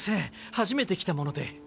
初めて来たもので。